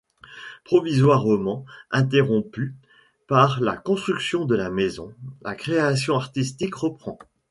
Provisoirement interrompue par la construction de la maison, la création artistique reprend.